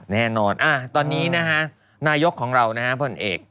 แน่นอนตอนนี้นะฮะนายกของเรานะฮะผลเอก